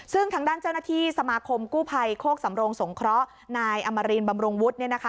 ซึ่งทางด้านเจ้าหน้าที่สมาคมกู้ภัยโคกสำรงสงเคราะห์นายอมรินบำรุงวุฒิ